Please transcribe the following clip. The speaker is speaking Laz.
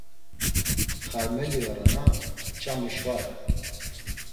Xarmeli orena ç̌ami şvare.